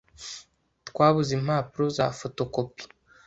Twabuze impapuro za fotokopi.